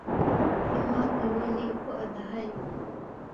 Impamvu ngo ni uko adahari